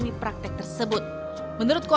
dia sambil menunggu